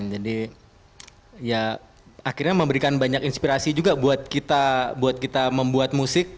jadi ya akhirnya memberikan banyak inspirasi juga buat kita membuat musik